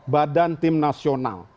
badan tim nasional